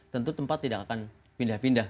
tentu tempat tidak akan pindah pindah